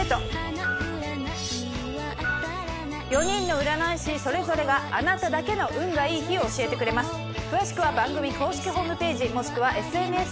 ４人の占い師それぞれがあなただけの運がいい日を教えてくれます。